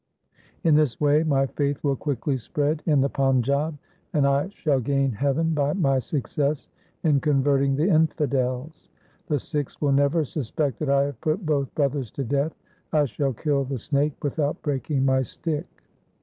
In this way my faith will quickly spread in the Panjab, and I shall gain heaven by my success in converting the infidels. The Sikhs will never suspect that I have put both brothers to death. I shall kill the snake without breaking my stick.'